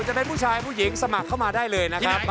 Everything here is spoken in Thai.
จะเป็นผู้ชายผู้หญิงสมัครเข้ามาได้เลยนะครับ